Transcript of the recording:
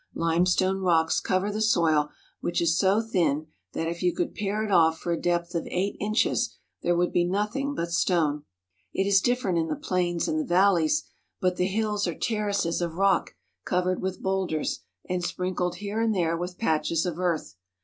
Limestone rocks cover the soil, which is so thin that if you could pare it off for a depth of eight inches there would be nothing but stone. It is different in the plains and the valleys, but the hills are terraces of rock covered with boulders and sprinkled here and there with patches of earth.